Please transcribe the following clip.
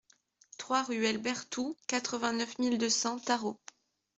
trois ruelle Berthoux, quatre-vingt-neuf mille deux cents Tharot